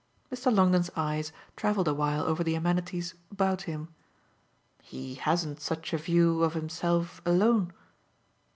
Mr. Longdon's eyes travelled a while over the amenities about him. "He hasn't such a view of himself alone